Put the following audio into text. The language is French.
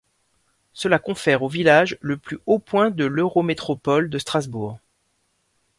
Cela confère au village le plus haut point de l'Eurométropole de Strasbourg.